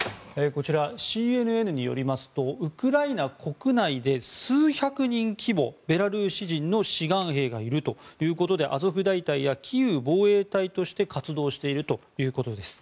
ＣＮＮによりますとウクライナ国内で数百人規模、ベラルーシ人の志願兵がいるということでアゾフ大隊やキーウ防衛隊として活動しているということです。